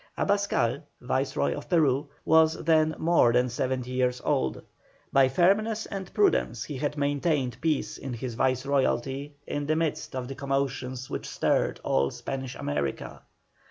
Abascal, Viceroy of Peru, was then more than seventy years old. By firmness and prudence he had maintained peace in his Viceroyalty in the midst of the commotions which stirred all Spanish America.